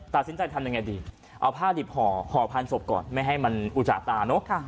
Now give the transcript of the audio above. ตัดสินใจทำยังไงดีเอาผ้าดิบห่อพันศพก่อนไม่ให้มันอุจจาตาเนอะ